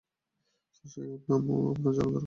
সেই নাম আপনার জানার দরকার নেই।